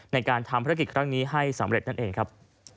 ในการทำภารกิจครั้งนี้ให้สำเร็จนั่นเองครับ